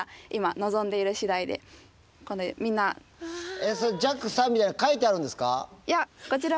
えっそれＪＡＸＡみたいなの書いてあるんですか？